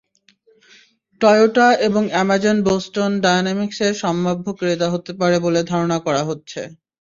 Toyota এবং Amazon Boston ডাইনামিকসের সম্ভাব্য ক্রেতা হতে পারে বলে ধারণা করা হচ্ছে।